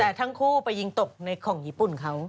แต่ทั้งคู่ไปยิงตกในของญี่ปุ่นเขา